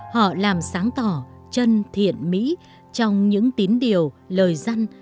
họ làm sáng tỏ chân thiện mỹ trong những tín điều lời dân